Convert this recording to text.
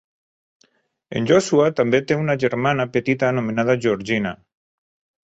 En Joshua també té una germana petita anomenada Georgina.